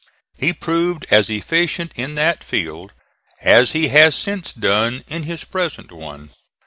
He proved as efficient in that field as he has since done in his present one.